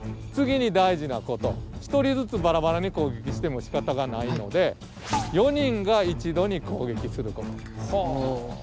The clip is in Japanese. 次に大事なこと１人ずつバラバラに攻撃してもしかたがないので４人が一度に攻撃すること。